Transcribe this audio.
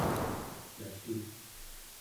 nallu²